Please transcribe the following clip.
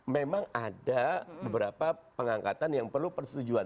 memang ada beberapa pengangkatan yang perlu persetujuan